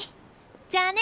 じゃあね。